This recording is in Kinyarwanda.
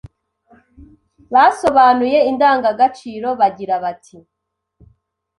basobanuye indangagaciro bagira bati: